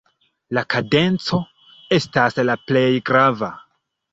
La kadenco estas la plej grava.